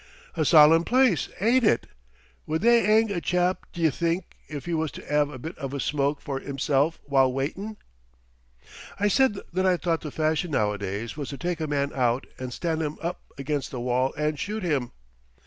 "A solemn place, ain't it? Would they 'ang a chap, d'y' think, if he was to 'ave a bit of a smoke for 'imself while waitin'?" I said that I thought the fashion nowadays was to take a man out and stand him up against the wall and shoot him.